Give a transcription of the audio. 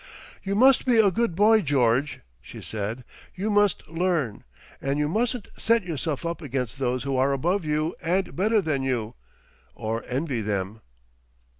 "You must be a good boy, George," she said. "You must learn.... And you mustn't set yourself up against those who are above you and better than you.... Or envy them."